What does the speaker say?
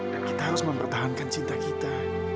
dan kita harus mempertahankan cinta kita